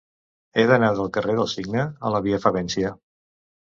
He d'anar del carrer del Cigne a la via Favència.